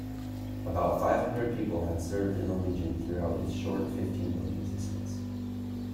About five hundred people had served in the legion throughout its short fifteen-month existence.